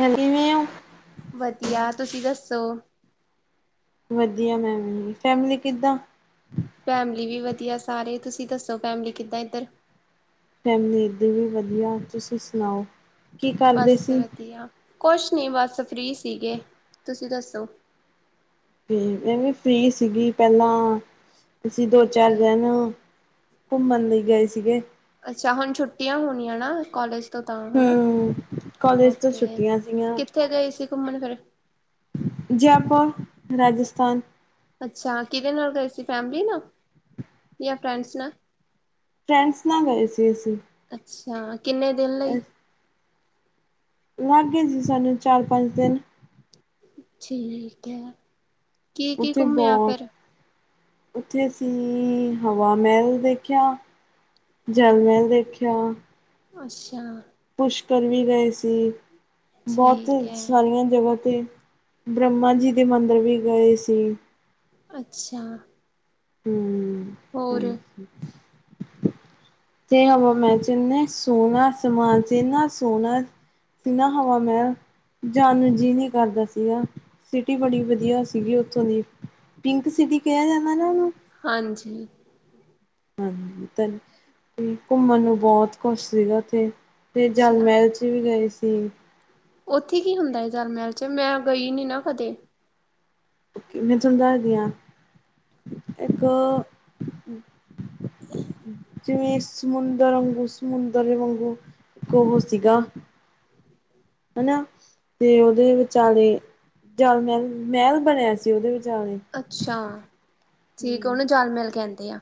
Hello ਕਿਵੇਂ ਹੋ? ਵਧੀਆ, ਤੁਸੀਂ ਦੱਸੋ। ਵਧੀਆ ਮੈਂ ਵੀ, ਫੈਮਿਲੀ ਕਿੱਦਾਂ ਫੈਮਿਲੀ ਵੀ ਵਦੀਆ ਸਾਰੇ, ਤੁਸੀਂ ਦੱਸੋ ਫੈਮਿਲੀ ਕਿੱਦਾਂ ਐਧਰ? ਫੈਮਲੀ ਇੱਧਰ ਵੀ ਵਦੀਆ, ਤੁਸੀ ਸੁਨਾਓ ਕੀ ਕਰਦੇ ਸੀ? ਏ ਆ ਕੁਛ ਨੀ ਬਸ ਫ੍ਰਰੀ ਸੀਗੇ, ਤੁਸੀਂ ਦੱਸੋ? ਵੀ, ਮੈਂ ਵੀ ਫ੍ਰਰੀ ਸੀਗੀ ਪੇਲਾਂ, ਅਸੀਂ ਦੋ ਚਾਰ ਦਿਨ ਘੁੰਮਣ ਲਈ ਗਏ ਸੀਗੇ। ਅੱਛਾ ਹੁਣ ਛੁੱਟੀਆਂ ਹੋਣੀਆਂ ਨਾ ਕੋਲਜ 'ਚ? ਹੂੰ--ਕੋਲਜ ਤੋਂ ਓਕੇ ਛੁੱਟੀਆਂ ਸੀਆਂ ਕਿੱਥੇ ਗਈ ਸੀ ਘੁੰਮਣ ਫਿਰ? ਜੈਪੁਰ, ਰਾਜਸਥਾਨ। ਅੱਛਾ! ਕਿਦੇ ਨਾਲ ਗਏ ਸੀ ਫੈਮਲੀ ਨਾਲ, ਜਾਂ ਫਰੈਂਡਸ ਨਾਲ? ਫਰੈਂਡਸ ਨਾਲ ਗਏ ਸੀ ਅਸੀਂ। ਅੱਛਾ, ਕਿੰਨੇ ਦਿਨ ਲਈ? ਲਾਗੇ ਸੀ ਸਾਨੂੰ ਚਾਰ ਪੰਜ ਦਿਨ ਠੀਕ ਐ। ਓੱਥੇ ਬੋਤ ਉਥੇ ਅਸੀਂ ਹਵਾ ਮੈਹਲ ਦੇਖਿਆ। ਜਲ ਮੈਹਲ ਦੇਖਿਆ। ਅੱਛਾ ਪੁਸ਼ਕਰ ਵੀ ਗਏ ਸੀ, ਬੋਤ ਠੀਕ ਹੈ। ਸਾਰੀਆਂ ਜਗ੍ਹਾ ਤੇ ਬ੍ਰਹਮਾ ਜੀ ਦੇ ਮੰਦਿਰ ਵੀ ਗਏ ਸੀ। ਅੱਛਾ। ਹੂੰ ਹੋਰ? ਹੂੰ ਤੇ ਹਵਾ ਮੈਲ ਚ ਏਂਨੇ ਸੋਹਣਾ ਸਮਾਨ ਸੀ ਨਾ ਏਂਨਾ ਸੋਹਣਾ ਤੇ ਨਾ ਹਵਾ ਮੈਲ ਜਾਣ ਨੂੰ ਜੀ ਨੀ ਕਰਦਾ ਸੀਗਾ, ਸਿਟੀ ਬੜੀ ਵਧੀਆ ਸੀਗੀ ਉੱਥੋਂ ਦੀ। ਪਿੰਕ ਸਿਟੀ ਕੇਆ ਜਾਂਦਾ ਨਾ ਓਨੂੰ? ਹਾਂਜੀ। ਹਾਂਜੀ ਤੇ ਘੁੰਮਣ ਨੂੰ ਬੋਤ ਕੁਛ ਸੀਗਾ ਓੱਥੇ ਤੇ ਜਲ ਅੱਛਾ ਮੈਲ 'ਚ ਓੱਥੇ ਵੀ ਗਏ ਸੀ। ਉੱਥੇ ਕੀ ਹੁੰਦਾ ਏ ਜਲ ਮੈਲ ਚ? ਮੈਂ ਗਈ ਨੀ ਨਾ ਕਦੇ। ਕੀ ਮੈਂ ਥੋਣੂ ਦਸੱਦੀ ਆ, ਇੱਕ ਜਿਵੇਂ ਸਮੁੰਦਰ ਵੰਗੂ- ਸਮੁੰਦਰ ਵੰਗੂ ਇੱਕ ਉਹ ਸੀਗਾ ਹਨਾ, ਤੇ ਓਦੇ ਵਿਚਾਲੇ, ਜਲ ਮੈਲ- ਮੈਲ ਬਣੇਆ ਸੀ ਓਦੇ ਵਿਚਾਲੇ। ਅੱਛਾ, ਠੀਕ ਓਨੂੰ ਜਲ ਮੈਲ ਕੇਂਦੇ ਆ।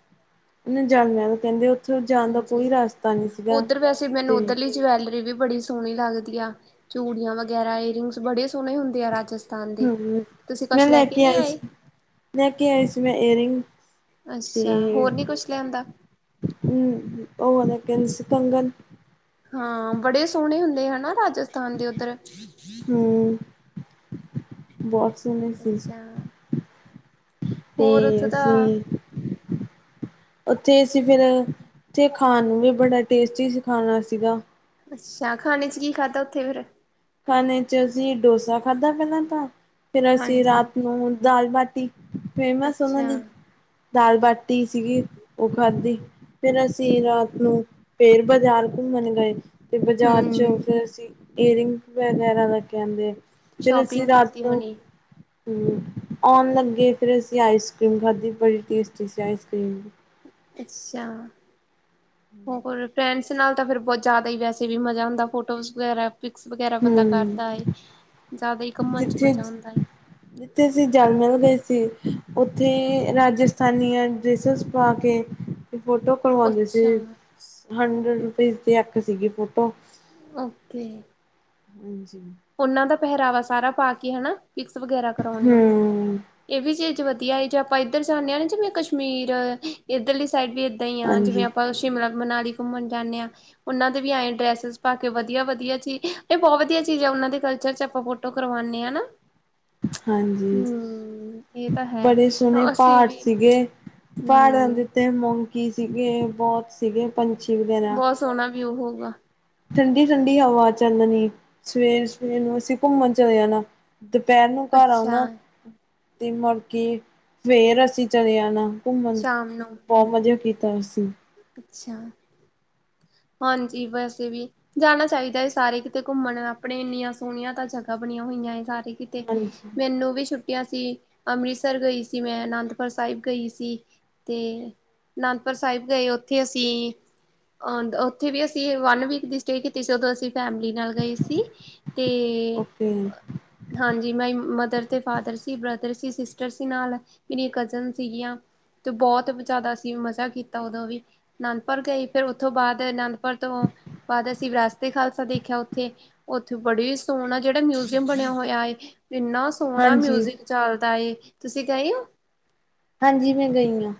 ਓਨੂੰ ਜਲ ਮੈਲ ਕੇਂਦੇ ਆ ਹਾਂਜੀ, ਓਧਰ ਵੈਸੇ ਮੈਨੂੰ ਤੇ ਓਧਰ ਲੀ ਜਵੈਲਰੀ ਵੀ ਬੜੀ ਸੋ ਸੋਹਣੀ ਲਗਦੀ ਆ, ਚੂੜੀਆਂ ਵਗੈਰਾ ਈਅਰਿੰਗਸ ਬੜੇ ਸੋਹਣੇ ਹੁੰਦੇ ਆ ਰਾਜਸਥਾਨ ਦੇ ਹੂੰ ਤੁਸੀਂ ਮੈਂ ਕੁਛ ਲੈ ਕੇ ਨਹੀਂ ਆਈ ਆਏ ਸੀ। ਲੈ ਕੇ ਆਈ ਸੀ ਮੈਂ ਏਅਰਿੰਗ ਤੇ ਅੱਛਾ ਹੋਰ ਨੀ ਕੁਛ ਲਿਆਂਦਾ ਹੂੰ---ਓ ਵਾਲਾ ਕਨਸ ਕੰਗਨ। ਹਾਂ, ਬੜੇ ਸੋਹਣੇ ਹੁੰਦੇ ਹਨਾ ਰਾਜਸਥਾਨ ਦੇ ਓਧਰ? ਬੋਤ ਸੋਹਣੇ ਸੀ। ਅੱਛਾ ਤੇ ਹੋਰ ਓੱਥੇ ਤਾਂ ਓਥੇ ਅਸੀ ਫੇਰ, ਓਥੇ ਖਾਣ ਨੂੰ ਵੀ ਬੜਾ ਟੇਸਟੀ ਸੀ ਖਾਣਾ ਸੀਗਾ। ਅੱਛਾ, ਖਾਣੇ ਚ ਕੀ ਖਾਧਾ ਓੱਥੇ ਫੇਰ? ਖਾਣੇ ਚ ਅਸੀਂ ਡੋਸਾ ਖਾਧਾ ਪੇਲਾਂ ਤਾਂ ਫੇਰ ਅਸੀਂ ਹਾਂਜੀ ਰਾਤ ਨੂੰ ਦਾਲ ਬਾਟੀ ਫੇਮਸ ਉਹਨਾਂ ਅੱਛਾ ਦੀ ਦਾਲ ਬਾਟੀ ਸੀਗੀ ਉਹ ਖਾਧੀ ਫੇਰ ਅਸੀਂ ਠੀਕ ਰਾਤ ਹਮ ਫੇਰ ਬਾਜ਼ਾਰ ਘੁੰਮਣ ਗਏ ਤੇ ਬਾਜ਼ਾਰ ਚ ਹਮ ਫੇਰ ਅਸੀਂ ਏਅਰਿੰਗ ਵਗੈਰਾ ਦਾ ਕਹਿੰਦੇ ਫੇਰ ਅਸੀਂ ਸ਼ੋਪਿੰਗ ਕੀਤੀ ਰਾਤ ਨੂੰ ਹੋਣੀ ਹਮ ਆਉਣ ਲੱਗੇ ਫੇਰ ਅਸੀਂ ਆਈਸ ਕਰ੍ਰੀਮ ਖਾਧੀ ਬੜੀ ਟੇਸਟੀ ਸੀ ਆਈਸ ਕਰੀਮ। ਅੱਛਾ ਹੋਰ? ਫਰੈਂਡਸ ਨਾਲ ਤਾਂ ਫੇਰ ਬਹੁਤ ਜ਼ਿਆਦਾ ਹੀ ਵੈਸੇ ਵੀ ਮਜ਼ਾ ਹੁੰਦਾ ਫੋਟੋਜ਼ ਵਗੈਰਾ ਪਿਕਸ ਵਗੈਰਾ ਬੰਦਾ ਹੂੰ ਕਰਦਾ ਹੈ ਜ਼ਿਆਦਾ ਹੀ ਘੁੰਮਣ ਚ ਜਿੱਥੇ ਮਜ਼ਾ ਆਉਂਦਾ ਏ। ਜਿੱਥੇ ਸੀ [unintelligible] ਗਏ ਸੀ ਉੱਥੇ ਰਾਜਸਥਾਨੀਆਂ ਡਿਸ ਪਾ ਕੇ ਫੋਟੋ ਕਰਵਾਉਂਦੇ ਸੀ ਅੱਛਾ ਹੰਡਰਡ ਰੁਪੀਜ਼ ਦੀ ਇੱਕ ਸੀਗੀ ਫੋਟੋ। ਓਕੇ। ਹਾਂਜੀ। ਉਹਨਾਂ ਦਾ ਪਹਿਰਾਵਾ ਸਾਰਾ ਪਾ ਕੇ ਹੈਨਾ ਪਿਕਸ ਵਗੈਰਾ ਕਰਾਉਣ ਨੂੰ। ਹਮ ਇਹ ਵੀ ਚੀਜ਼ ਵਧੀਆ ਹੈ ਜੇ ਆਪਾਂ ਇੱਧਰ ਜਾਂਦੇ ਹਾਂ ਨਾ ਜਿਵੇਂ ਕਸ਼ਮੀਰ ਇੱਧਰਲੀ ਸਾਈਡ ਵੀ ਐਦਾਂ ਈ ਆ ਜਿਵੇਂ ਹਾਂਜੀ ਆਪਾਂ ਸ਼ਿਮਲਾ ਮਨਾਲੀ ਘੁੰਮਣ ਜਾਂਦੇ ਹਾਂ ਉਹਨਾਂ ਦੇ ਵੀ ਇਹੀ ਡਰੈਸਿਸ ਪਾਕੇ ਵਧੀਆ ਵਧੀਆ ਜੀ ਇਹ ਬਹੁਤ ਹੀ ਚਜ ਉਹਨਾਂ ਦੇ ਕਲਚਰ ਚ ਆਪਾਂ ਫੋਟੋ ਕਰਵਾਓਨੇ ਆ ਨਾ। ਹਾਂਜੀ। ਹਮ ਇਹ ਤਾਂ ਹੈ ਬੜੇ ਸੋਹਣੇ ਅਸੀਂ ਵੀ ਹਮ। ਤੇ ਮੋਂਕੀ ਸੀਗੇ ਬਹੁਤ ਸੀਗੇ ਪੰਛੀ ਵਗੈਰਾ। ਬਹੁਤ ਸੋਹਣਾ ਵੀਊ ਹੋਊਗਾ। ਠੰਡੀ ਠੰਡੀ ਹਵਾ ਚੱਲਣੀ ਸਵੇਰ ਸਵੇਰ ਨੂੰ ਅਸੀਂ ਘੁੰਮਣ ਚਲੇ ਜਾਣਾ। ਦੁਪਹਿਰ ਨੂੰ ਘਰ ਅੱਛਾ ਆਉਣਾ ਤੇ [unintelligible] ਫੇਰ ਅਸੀਂ ਚਲੇ ਜਾਣਾ ਘੁੰਮਣ ਸ਼ਾਮ ਨੂੰ ਬਹੁਤ ਮਜ਼ਾ ਕੀਤਾ ਅਸੀਂ। ਅੱਛਾ। ਹਾਂਜੀ ਵੈਸੇ ਵੀ ਜਾਣਾ ਚਾਹੀਦਾ ਹੈ ਸਾਰੇ ਕਿਤੇ ਘੁੰਮਣ ਆਪਣੇ ਇੰਨੀਆਂ ਸੋਹਣੀਆਂ ਤਾਂ ਜਗ੍ਹਾ ਬਣੀਆਂ ਹੋਈਆਂ [unintelligible] ਸਾਰੇ। ਕਿਤੇ ਹਾਂਜੀ ਮੈਨੂੰ ਵੀ ਛੁੱਟੀ ਆ ਸੀ ਅੰਮ੍ਰਿਤਸਰ ਗਈ ਸੀ ਮੈਂ ਅਨੰਦਪੁਰ ਸਾਹਿਬ ਗਈ ਸੀ। ਤੇ ਅਨੰਦਪੁਰ ਸਾਹਿਬ ਗਏ ਉੱਥੇ ਅਸੀਂ ਅ ਉੱਥੇ ਵੀ ਅਸੀਂ ਵਨ ਵੀਕ ਦੀ ਸਟੇਅ ਕੀਤੀ ਸੀ ਉਦੋਂ ਅਸੀਂ ਫੈਮਿਲੀ ਨਾਲ ਗਏ ਸੀ ਤੇ ਓਕੇ ਤੇ ਹਾਂਜੀ ਮੈਂ ਮਦਰ ਤੇ ਫਾਦਰ ਸੀ ਬ੍ਰਦਰ ਸੀ ਸਿਸਟਰ ਸੀ ਨਾਲ। [unintelligible] ਕਜ਼ਨ ਸੀਗੀਆਂ। ਤੋ ਬਹੁਤ ਜ਼ਿਆਦਾ ਅਸੀਂ ਮਜ਼ਾ ਕੀਤਾ ਉਦੋਂ ਵੀ ਅਨੰਦਪੁਰ ਗਈ ਫੇਰ ਉਥੋਂ ਬਾਅਦ ਅਨੰਦਪੁਰ ਤੋਂ [unintelligible] ਖਾਲਸਾ ਦੇਖਿਆ ਉੱਥੇ ਉੱਥੇ ਬੜੀ ਸੋਹਣਾ ਜਿਹੜਾ ਮਿਊਜ਼ੀਅਮ ਬਣਿਆ ਹੋਇਆ ਹੈ ਇੰਨਾ ਸੋ ਸੋਹਣਾ ਹਾਂਜੀ ਮਿਊਜਿਕ ਚੱਲਦਾ ਏ ਤੁਸੀਂ ਗਏ ਹੋ? ਹਾਂਜੀ ਮੈਂ ਗਈ ਆ।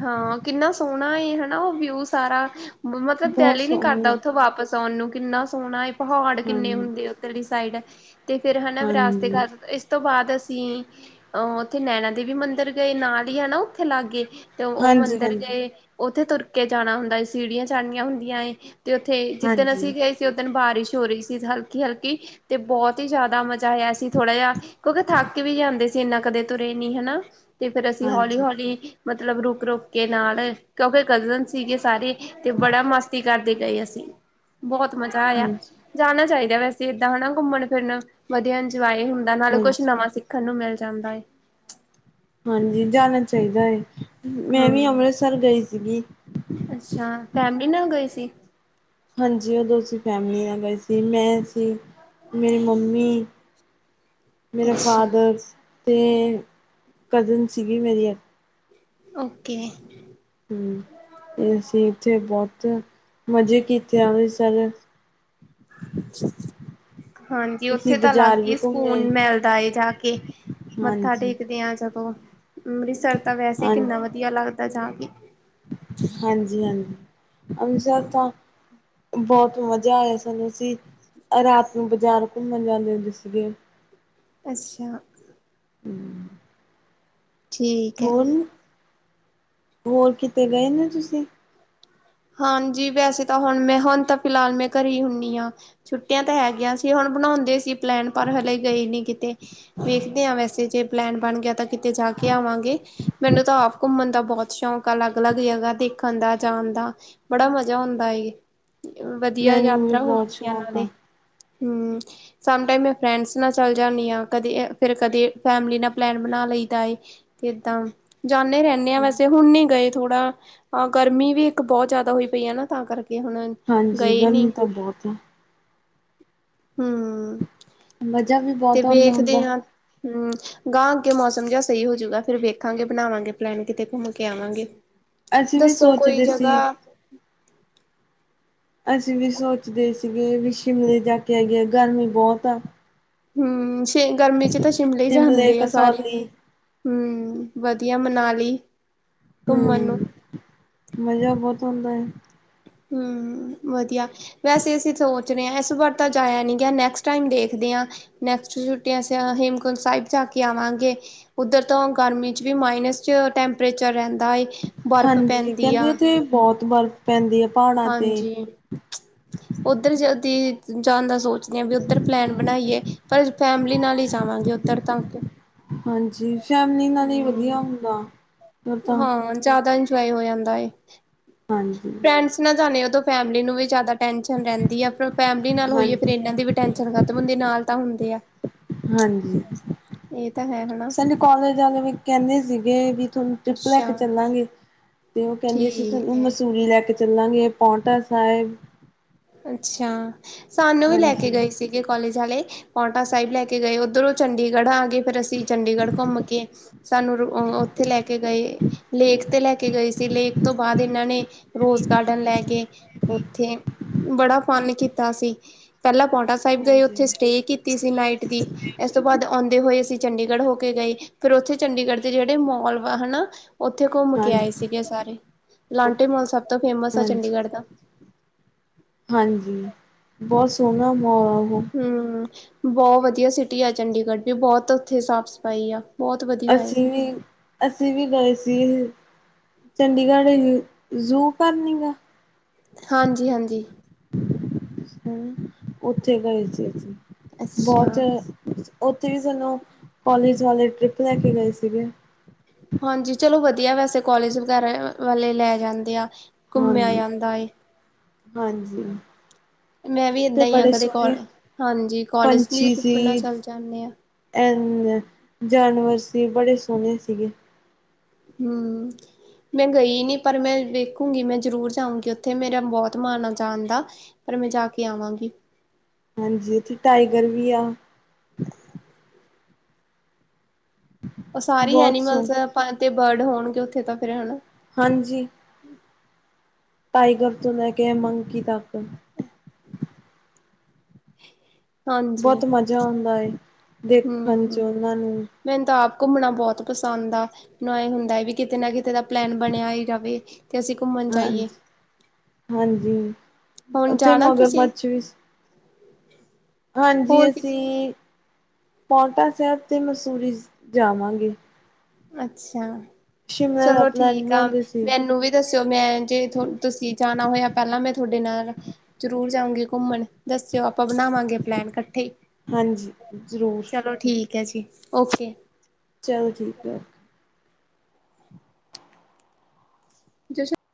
ਹਾਂ ਸੋਹਣਾ ਏ ਹੈਨਾ ਉਹ ਵਿਊ ਸਾਰਾ ਮਤਲਬ ਬਹੁਤ ਦਿਲ ਹੀ ਨੀ ਸੋਹਣਾ ਕਰਦਾ ਉਥੋਂ ਵਾਪਸ [unintelligible] ਕਿੰਨਾ ਸੋਹਣਾ ਹੈ ਪਹਾੜ ਹਾਂ ਕਿੰਨੇ ਹੁੰਦੇ ਉੱਦਰਲੀ ਸਾਈਡ। ਤੇ ਫੇਰ ਹੈਨਾ ਵਿਰਾਸਤ ਹਾਂਜੀ ਉਸ ਤੋਂ ਬਾਅਦ ਅਸੀਂ ਅਹ ਉੱਥੇ ਨੈਣਾ ਦੇਵੀ ਮੰਦਿਰ ਗਏ ਨਾਲ ਹੀ ਹੈਨਾ ਉੱਥੇ ਲਾਗੇ ਤੇ ਉਹ ਹਾਂਜੀ ਮੰਦਿਰ ਹਾਂਜੀ ਗਏ ਉੱਥੇ ਤੁਰ ਕੇ ਜਾਣਾ ਹੁੰਦਾ ਸੀੜੀਆਂ ਚੜਨੀਆਂ ਹੁੰਦੀਆਂ ਏ। ਤੇ ਉੱਥੇ ਜਿੱਦਨ ਹਾਂਜੀ ਅਸੀਂ ਗਏ ਸੀ ਓੁਸ ਦਿਨ ਬਾਰਿਸ਼ ਹੋ ਰਹੀ ਸੀ ਹਲਕੀ ਹਲਕੀ ਤੇ ਬਹੁਤ ਹੀ ਜ਼ਿਆਦਾ ਮਜ਼ ਕੀਤਾ ਆ ਅਸੀ ਥੋੜ੍ਹਾ ਜਾ ਕਿਉਂਕਿ ਥੱਕ ਵੀ ਜਾਂਦੇ ਸੀ ਏਨਾ ਕਦੇ ਤੁਰੇ ਨੀ ਹਨਾ। ਤੇ ਫੇਰ ਅਸੀਂ ਹੌਲੀ- ਹਾਂਜੀ ਹੌਲੀ ਮਤਲਬ ਰੁਕ- ਰੁਕ ਕੇ ਨਾਲ, ਕਿਉਂਕਿ ਕਜ਼ਨ ਸੀਗੇ ਸਾਰੇ। ਤੇ ਬੜਾ ਮਸਤੀ ਕਰਦੇ ਗਏ ਅਸੀਂ। ਬੋਤ ਮਜ਼ਾ ਆਇਆ। ਹਾਂਜੀ ਜਾਣਾ ਚਾਈਦਾ ਵੈਸੇ ਏਦਾਂ ਹਨਾ ਘੁੰਮਣ ਫਿਰਨ, ਵਧੀਆ ਇੰਜੋਏ ਹੁੰ ਨਾਲੇ ਕੁਛ ਹਾਂਜੀ ਨਵਾਂ ਸਿੱਖਣ ਨੂੰ ਮਿਲ ਜਾਂਦਾ ਏ। ਹਾਂਜੀ ਜਾਣਾ ਚਾਈਦਾ ਏ, ਮੈਂ ਵੀ ਹੂੰ ਅੰਮ੍ਰਿਸਰ ਗਈ ਸੀਗੀ। ਅੱਛਾ ਫੈਮਿਲੀ ਨਾਲ ਗਏ ਸੀ। ਹਾਂਜੀ ਓਦੋਂ ਅਸੀਂ ਫੈਮਿਲੀ ਨਾਲ ਗਏ ਸੀ, ਮੈਂ ਸੀ ਮੇਰੀ ਮੰਮੀ। [inaudible] ਮੇਰਾ ਫਾਦਰ ਤੇ ਕਜ਼ਨ ਸੀਗੀ ਮੇਰੀ ਇੱਕ। ਓਕੇ। ਹੂੰ ਅਸੀਂ ਏਥੇ ਬੋਤ ਮਜ਼ੇ ਕੀਤੇ ਅੰਮ੍ਰਿਤਸਰ। ਹਾਂਜੀ ਓਥੇ ਅਸੀਂ ਤਾਂ ਬਾਜ਼ਾਰ ਲੱਗ ਵੀ ਈ ਘੁੰਮੇ ਸਕੂਨ ਮਿਲਦਾ ਏ ਜਾ ਕੇ। ਮੱਥਾ ਹਾਂਜੀ ਟੇਕਦੇ ਆ ਜਦੋਂ ਅੰਮ੍ਰਿਤਸਰ ਤਾਂ ਵੈਸੇ ਈ ਹਾਂ ਕਿੰਨਾ ਵਧੀਆ ਲੱਗਦਾ ਜਾ ਕੇ। ਹਾਂਜੀ ਹਾਂਜੀ ਅੰਮ੍ਰਿਤਸਰ ਤਾਂ ਬੋਤ ਮਜ਼ਾ ਆਇਆ ਸਾਨੂੰ ਅਸੀਂ ਰਾਤ ਨੂੰ ਬਜ਼ਾਰ ਘੁੰਮਣ ਜਾਂਦੇ ਹੁੰਦੇ ਸੀਗੇ। ਅੱਛਾ। [inaudible] ਠੀਕ ਐ। ਹੋਰ ਹੋਰ ਕਿਤੇ ਗਏ ਨੀ ਤੁਸੀਂ। ਹਾਂਜੀ ਵੈਸੇ ਤਾਂ ਹੁਣ ਮੈਂ ਹੁਣ ਤਾਂ ਫਿਲਾਲ ਮੈਂ ਘਰੇ ਈ ਹੁੰਨੀ ਆਂ। ਛੁੱਟੀਆਂ ਤਾਂ ਹੈਗੀਆਂ ਸੀ, ਹੁਣ ਬਣਾਉਂਦੇ ਸੀ ਪਲੈਨ ਪਰ ਹਲੇ ਗਏ ਨੀ ਕਿਤੇ। ਵੇਖਦੇ ਆਂ ਵੈਸੇ ਜੇ ਪਲੈਨ ਬਣ ਗਿਆ ਤਾਂ ਕਿਤੇ ਜਾ ਕੇ ਆਵਾਂਗੇ ਮੈਨੂੰ ਤਾਂ ਆਪ ਘੁੰਮਣ ਦਾ ਬੋਤ ਸ਼ੌਂਕ ਆ, ਲੱਗ ਲੱਗ ਜਗ੍ਹਾ ਦੇ। ਦੇੇਖਣ ਦਾ, ਜਾਣ ਦਾ, ਬੜਾ ਮਜ਼ਾ ਹੁੰਦਾ ਏ। ਵਧੀਆ ਮੈਨੂੰ ਵੀ ਯਾਤਰਾ ਬਹੁਤ ਹੁੰਦੀ ਆ ਸ਼ੌਕ ਨਾਲੇ, ਹੂੰ। ਸਮ ਟਾਈਮ ਮੈਂ ਫਰੈਂਡਸ ਨਾਲ ਚੱਲ ਜਾਂਨੀ ਆਂ, ਕਦੇ ਫੇਰ ਕਦੇ ਫੈਮਲੀ ਨਾਲ ਪਲੈਨ ਬਣਾ ਲਈ ਦਾ ਏ। ਤੇ ਏਦਾਂ ਜਾਂਨੇ ਰੈਣੇ। ਵੈਸੇ ਹੁਣ ਨੀ ਗਏ ਥੋੜਾ ਅ ਗਰਮੀ ਵੀ ਇੱਕ ਬੋਤ ਜਾਦਾ ਹੋਈ ਪਈ ਆ ਨਾ, ਤਾਂ ਕਰਕੇ ਹੁਣ ਹਾਂਜੀ ਗਰਮੀ ਤਾਂ ਬੋਤ ਆ। ਹੂੰ ਮਜ਼ਾ ਵੀ ਤੇ ਬਹੁਤ ਆਉਂਦਾ ਵੇਖਦੇ ਹੁੰਦਾ ਆਂ। ਹੂੰ ਗਾਂ ਅੱਗੇ ਮੌਸਮ ਜਿਆ ਸਈ ਹੋਜੂਗਾ, ਫੇਰ ਵੇਖਾਂਗੇ ਬਣਾਵਾਂਗੇ ਪਲੈਨ ਕਿਤੇ ਘੁੰਮ ਕੇ ਆਵਾਂਗੇ। ਅਸੀਂ ਵੀ ਦੱਸੋ ਕੋਈ ਸੋਚਦੇ ਸੀ। ਜਗ੍ਹਾ ਅਸੀਂ ਵੀ ਸੋਚਦੇ ਸੀਗੇ ਵੀ ਸ਼ਿਮਲੇ ਜਾ ਕੇ ਆਈਏ, ਗਰਮੀ ਬੋਤ ਆ। ਹੂੰ ਸ਼ ਗਰਮੀ 'ਚ ਤਾਂ ਸ਼ਿਮਲੇ ਈ ਜਾਂਦੇ ਆ ਸਾਰੇ। ਹੂੰਅ ਵਧੀਆ ਮਨਾਲੀ। ਘੁੰਮਣ ਨੂੰ ਹੂੰਅ ਮਜ਼ਾ ਬੋਤ ਆਉਂਦਾ ਆ। ਹੂੰ ਵਧੀਆ। ਵੈਸੇ ਅਸੀਂ ਸੋਚ ਰੇ ਆਂ ਏਸ ਵਾਰ ਜਾਇਆ ਨੀ ਗਿਆ, ਨੈਕਸਟ ਟਾਈਮ ਦੇਖਦੇ ਆਂ। ਨੈਕਸਟ ਛੁੱਟੀਆਂ ਅਸੀਂ ਆ ਹੇਮਕੁੰਦ ਸਾਇਬ ਜਾ ਕੇ ਆਵਾਂਗੇ। ਉੱਧਰ ਤੋਂ ਗਰਮੀ 'ਚ ਵੀ ਮਾਈਨਸ 'ਚ ਟੈਂਪਰੇਚਰ ਰੈਂਦਾ ਏ। ਬਰਫ਼ ਹਾਂਜੀ ਪੈਂਦੀ ਆ ਕੈਂਦੇ ਓਥੇ ਬੋਤ ਬਰਫ਼ ਪੈਂਦੀ ਏ ਪਾੜ ਹਾਂਜੀ। ਓਧਰ ਜਲਦੀ ਜਾਣ ਦਾ ਸੋਚਦੇ ਆਂ ਵੀ ਓਧਰ ਪਲੈਨ ਬਣਾਈਏ। ਪਰ ਫੈਮਿਲੀ ਨਾਲ ਈ ਜਾਵਾਂਗੇ ਓਧਰ ਤਾਂ। ਹਾਂਜੀ ਫੈਮਲੀ ਨਾਲ ਈ ਵਧੀਆ ਹੁੰਦਾ। ਉਹ ਤਾਂ ਹਾਂ ਜ਼ਿਆਦਾ ਇੰਜੋਏ ਹੋ ਜਾਂਦਾ ਏ। ਹਾਂਜੀ। ਫਰੈਂਡਸ ਨਾਲ ਜਾਂਦੇ ਆ ਤੇ ਫੈਮਲੀ ਨੂੰ ਵੀ ਜ਼ਿਆਦਾ ਟੈਨਸ਼ਨ ਰਹਿੰਦੀ ਆ ਫਿਰ ਫੈਮਲੀ ਨਾਲ ਹੋਈਏ ਫਿਰ ਹਾਂਜੀ, ਇਹਨਾਂ ਦੀ ਵੀ ਟੈਸ਼ਨ ਕਰ। ਬੰਦੇ ਨਾਲ ਤਾਂ ਹੁੰਦੇ ਆ। ਹਾਂਜੀ ਇਹ ਤਾਂ ਹੈ ਹਨਾ ਸਾਡੇ ਕਾਲਜ ਵਾਲੇ ਵੀ ਕਹਿੰਦੇ ਸੀਗੇ। ਤੁਹਾਨੂੰ ਟ੍ਰਿਪ ਲੈ ਕੇ ਅੱਛਾ ਚੱਲਾਂਗੇ ਤੇ ਉਹ ਕਹਿੰਦੇ ਸੀ ਠੀਕ ਤੁਹਾਨੂੰ ਹੈ ਮਸੂਰੀ ਲੈ ਕੇ। ਚੱਲਾਂਗੇ ਪੌਂਟਾ ਸਾਹਿਬ। ਅੱਛਾ ਸਾਨੂੰ ਵੀ ਲੈ ਕੇ ਹਾਂਜੀ, ਗਏ ਸੀ। ਕਾਲਜ ਆਲੇ ਪੌਟਾ ਸਾਹਿਬ ਲੈ ਕੇ ਗਏ ਉੱਧਰੋਂ ਚੰਡੀਗੜ੍ਹ ਆ ਗਏ ਫੇਰ ਅਸੀਂ। ਚੰਡੀਗੜ੍ਹ ਘੁੰਮਕੇ ਸਾਨੂੰ ਉੱਥੇ ਲੈ ਕੇ ਗਏ। ਲੇਕ ਤੇ ਲੈ ਕੇ ਗਏ ਸੀ ਲੇਕ ਤੋਂ ਬਾਅਦ ਇਹਨਾਂ ਨੇ ਰੋਜ਼ ਗਾਰਡਨ ਲੈ ਕੇ। ਉੱਥੇ। ਬੜਾ ਫਨ ਕੀਤਾ ਅਸੀ ਪਹਿਲਾਂ ਪੌਂਟਾ ਸਾਹਿਬ ਦੇ ਹਾਂਜੀ, ਉੱਥੇ ਸਟੇ ਕੀਤੀ ਸੀ ਨਾਈਟ ਦੀ। ਇਸ ਤੋਂ ਬਾਅਦ ਆਉਂਦੇ ਹੋਏ ਅਸੀਂ ਚੰਡੀਗੜ੍ਹ ਹੋ ਕੇ ਗਏ ਫਿਰ ਉਥੇ ਚੰਡੀਗੜ੍ਹ ਦੇ ਜਿਹੜੇ ਮੋਲ ਵਾ ਹਨਾ। ਉੱਥੇ ਘੁੰਮ ਕੇ ਆਏ ਹਾਂਜੀ, ਸੀਗੇ ਸਾਰੇ ਲਾਂਟੇ ਮੋਲ ਸਭ ਤੋਂ ਫੇਮਸ ਆ ਹਾਂਜੀ। ਚੰਡੀਗੜ੍ਹ ਦਾ। ਹਾਂਜੀ ਬਹੁਤ ਸੋਹਣਾ ਮੋਲ। ਹਮ ਬਹੁਤ ਵਧੀਆ ਸਿਟੀ ਆ ਚੰਡੀਗੜ੍ਹ ਤੇ ਬਹੁਤ ਉੱਥੇ ਸਾਫ਼ ਸਫ਼ਾਈ ਆ। ਬਹੁਤ ਵਧੀਆ ਏ ਅਸੀਂ ਵੀ। ਅਸੀਂ ਵੀ ਗਏ ਸੀ ਚੰਡੀਗੜ੍ਹ ਜ਼ੂ ਘਰ ਵੀ ਹੈ। ਹਾਂਜੀ- ਹਾਂਜੀ। ਹਮ ਉੱਥੇ ਗਏ ਸੀ ਅਸੀਂ ਬਹੁਤ। ਅੱਛਾ ਉੱਥੇ ਵੀ ਸਾਨੂੰ ਕੋਲਜ ਵਾਲੇ ਟ੍ਰਿਪ ਲੈ ਕੇ ਗਏ ਸੀਗੇ। ਹਾਂਜੀ ਚਲੋ ਵਧੀਆ ਵੈਸੇ ਕੋਲਜ ਵਗੈਰਾ ਵਾਲੇ ਲੈ ਜਾਂਦੇ ਆ। ਘੁੰਮਿਆ ਹਾਂਜੀ ਜਾਂਦਾ ਏ। ਹਾਂਜੀ ਮੈਂ ਵੀ ਤੇ ਏਦਾਂ ਹੀ ਹਾਂ ਬੜੇ ਕਦੇ ਸੋਹਣੇ ਹਾਂਜੀ ਕੋਲਜ ਵੀ ਟ੍ਰਿਪ ਨਾਲ ਚੱਲ ਜਾਂਦੇ ਆ। ਐਨੇ ਜਾਨਵਰ ਸੀ ਬੜੇ ਸੋਹਣੇ ਸੀਗੇ। ਹਮ। ਮੈਂ ਗਈ ਨਹੀਂ ਪਰ ਮੈਂ ਵੇਖੂੰਗੀ ਮੈਂ ਜ਼ਰੂਰ ਜਾਊਂਗੀ ਉੱਥੇ ਮੇਰਾ ਬਹੁਤ ਮਾਨ ਆ ਜਾਣ ਦਾ। ਪਰ ਮੈਂ ਜਾ ਕੇ ਆਵਾਂਗੀ। ਹਾਂਜੀ ਇੱਥੇ ਟਾਈਗਰ ਵੀ ਆ। ਉਹ ਸਾਰੇ ਬਹੁਤ ਐਨੀਮਲਸ ਸੋਹਣੇ ਆਪਾਂ ਤੇ ਬਰਡ ਹੋਣਗੇ ਉੱਥੇ ਤਾਂ ਫਿਰ ਹਨਾ। ਹਾਂਜੀ। ਟਾਈਗਰ ਤੋਂ ਲੈ ਕੇ ਮੰਕੀ ਤੱਕ। ਹਾਂਜੀ ਬਹੁਤ ਮਜ਼ਾ ਆਉਂਦਾ ਦੇਖਣ ਚ ਹਮ ਉਹਨਾਂ ਨੂੰ। ਮੈਨੂੰ ਤਾਂ ਆਪ ਘੁੰਮਣਾ ਬਹੁਤ ਪਸੰਦ ਆ। ਨਏ ਹੁੰਦਾ ਹੈ ਵੀ ਕਿਤੇ ਨਾ ਕਿਤੇ ਦਾ ਪਲੈਨ ਬਣਿਆ ਹੀ ਜਾਵੇ। ਤੇ ਅਸੀਂ ਘੁੰਮਣ ਜਾਈਏ ਹਾਂਜੀ ਹਾਂਜੀ ਹੁਣ ਉੱਥੇ ਜਾਣਾ ਤੁਸੀਂ। ਮਗਰਮੱਛ ਵੀ [inaudible] ਹਾਂਜੀ ਹੋਰ ਕਿ ਅਸੀਂ ਪੌਉਟਾ ਸਾਹਿਬ ਤੇ ਮਸੂਰੀ ਜਾਵਾਂਗੇ। ਅੱਛਾ ਸ਼ਿਮਲਾ ਦਾ ਚਲੋ ਪਲੈਨ ਠੀਕ ਆ ਬਣਾਉਂਦੇ ਸੀ ਮੈਨੂੰ ਵੀ। ਦੱਸੋਓ ਮੈਂ ਤੁਸੀਂ ਜਾਣਾ ਹੋਇਆ ਪਹਿਲਾਂ ਮੈਂ ਤੁਹਾਡੇ ਨਾਲ। ਜ਼ਰੂਰ ਜਾਉਂਗੀ ਘੁੰਮਣ ਦੱਸਿਓ ਆਪਾਂ ਬਣਾਵਾਂਗੇ ਪਲੈਨ ਕੱਠੇ ਹੀ। ਹਾਂਜੀ ਜ਼ਰੂਰ ਚਲੋ ਠੀਕ ਹੈ ਜੀ ਓਕੇ। ਚਲ ਠੀਕ ਆ। ਜਸ। [inaudible]